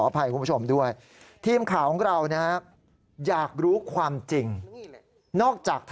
ปวดอะไรรู้ไหมฮะ